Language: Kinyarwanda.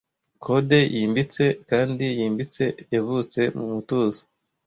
kode yimbitse kandi yimbitse yavutse mumutuzo